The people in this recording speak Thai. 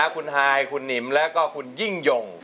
คุณฮายคุณหนิมแล้วก็คุณยิ่งยง